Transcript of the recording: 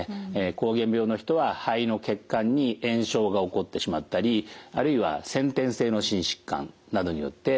膠原病の人は肺の血管に炎症が起こってしまったりあるいは先天性の心疾患などによって起こることもあります。